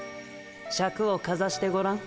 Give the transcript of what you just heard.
シャクをかざしてごらん。